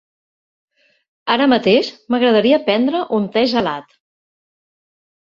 Ara mateix, m'agradaria prendre un te gelat.